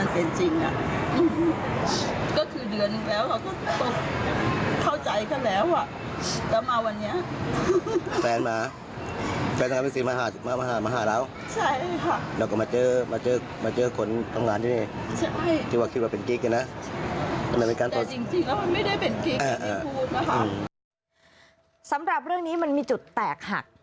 สำหรับเรื่องนี้มันมีจุดแตกหัก